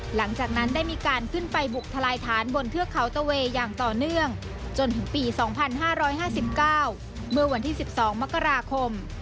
หลังจากนั้นได้มีการขึ้นไปบุกทลายฐานบนเทือกเขาตะเวยอย่างต่อเนื่องจนถึงปี๒๕๕๙เมื่อวันที่๑๒มกราคม